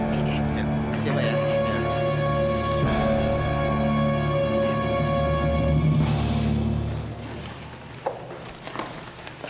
terima kasih pak